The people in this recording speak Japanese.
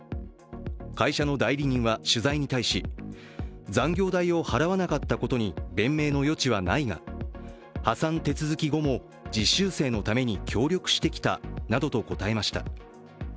会社の代理人は、取材に対し残業代を払わなかったことに弁明の余地はないが、破産手続き後も実習生のために協力してきたなどと答えました。